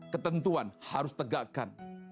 ketentuan harus tegakkan